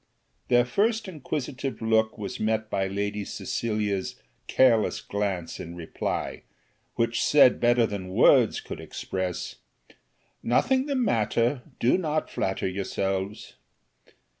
Their first inquisitive look was met by Lady Cecilia's careless glance in reply, which said better than words could express, "Nothing the matter, do not flatter yourselves."